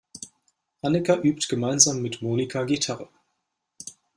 Annika übt gemeinsam mit Monika Gitarre.